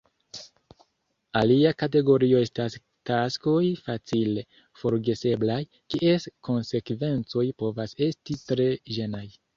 Alia kategorio estas taskoj facile forgeseblaj, kies konsekvencoj povas esti tre ĝenaj.